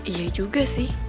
iya juga sih